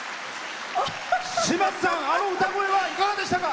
島津さん、あの歌声はいかがでしたか？